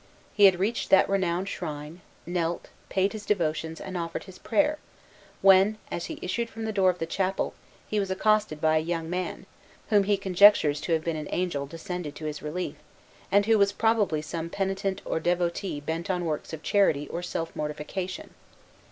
He had reached that renowned shrine, knelt, paid his devotions, and offered his prayer, when, as he issued from the door of the chapel, he was accosted by a young man, whom he conjectures to have been an angel descended to his relief, and who was probably some penitent or devotee bent on works of charity or self mortification.